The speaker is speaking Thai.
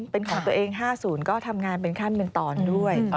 เป็นของตัวเอง๕๐ก็ทำงานเป็นขั้นเป็นตอนด้วย